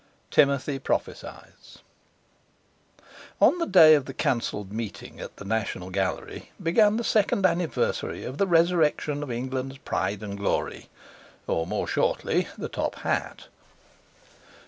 XI.—TIMOTHY PROPHESIES On the day of the cancelled meeting at the National Gallery began the second anniversary of the resurrection of England's pride and glory—or, more shortly, the top hat.